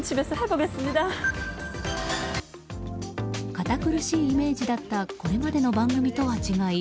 堅苦しいイメージだったこれまでの番組とは違い